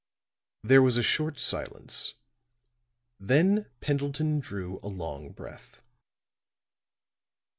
There was a short silence. Then Pendleton drew a long breath.